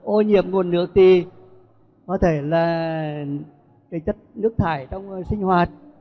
ô nhiễm nguồn nước thì có thể là cái chất nước thải trong sinh hoạt